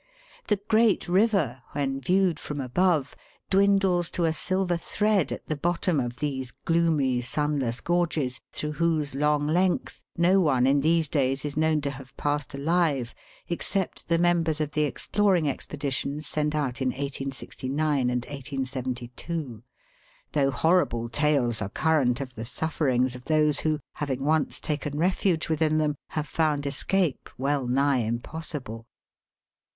The great river, when viewed from above, dwindles to a silver thread at the bottom of these gloomy sunless gorges, through whose long length no one in these days is known to have passed alive except the members of the exploring expeditions sent out in 1869 and 1872, though horrible tales are current of the sufferings of those who, having once taken refuge within them, have found escape well nigh impossible.